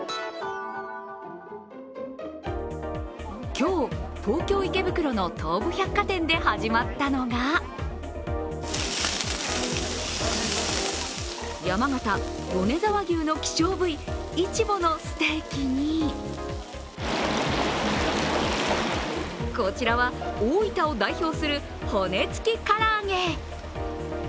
今日、東京・池袋の東武百貨店で始まったのが山形、米沢牛の希少部位イチボのステーキにこちらは、大分を代表する骨付きからあげ。